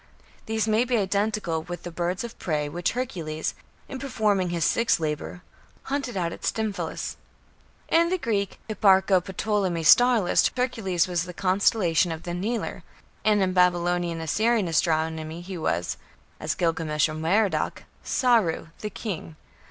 These may be identical with the birds of prey which Hercules, in performing his sixth labour, hunted out of Stymphalus. In the Greek Hipparcho Ptolemy star list Hercules was the constellation of the "Kneeler", and in Babylonian Assyrian astronomy he was (as Gilgamesh or Merodach) "Sarru", "the king".